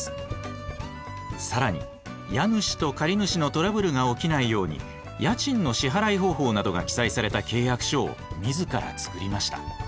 更に家主と借主のトラブルが起きないように家賃の支払い方法などが記載された契約書を自ら作りました。